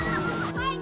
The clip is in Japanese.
「はい。